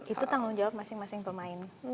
itu tanggung jawab masing masing pemain